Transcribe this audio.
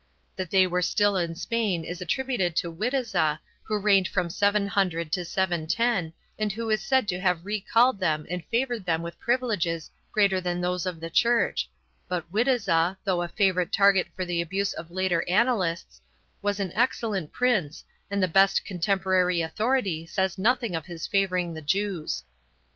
That they were still in Spain is attributed to Witiza, who reigned from 700 to 710 and who is said to have recalled them and favored them with privileges greater than those of the Church, but Witiza, though a favorite target for the abuse of later annalists, was an excellent prince and the best con temporary authority says nothing of his favoring the Jews.